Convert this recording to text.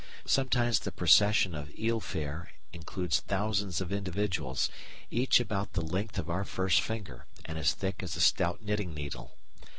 Sometimes the procession or eel fare includes thousands of individuals, each about the length of our first finger, and as thick as a stout knitting needle.